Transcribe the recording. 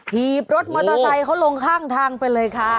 ีบรถมอเตอร์ไซค์เขาลงข้างทางไปเลยค่ะ